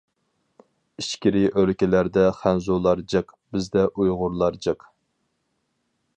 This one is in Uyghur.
ئىچكىرى ئۆلكىلەردە خەنزۇلار جىق، بىزدە ئۇيغۇرلار جىق.